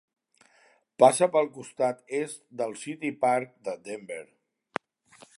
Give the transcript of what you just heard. Passa pel costat est del City Park de Denver.